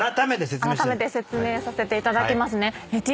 説明させていただきますね。